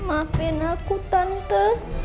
maafin aku tante